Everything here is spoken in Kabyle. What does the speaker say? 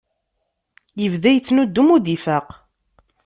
Yebda yettnudum ur d-ifaq